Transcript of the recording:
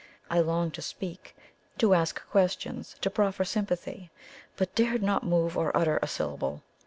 I longed to speak to ask questions to proffer sympathy but dared not move or utter a syllable.